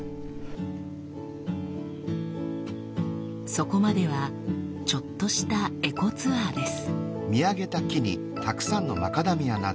そこまではちょっとしたエコツアーです。